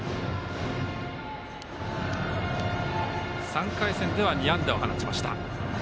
３回戦では２安打を放ちました。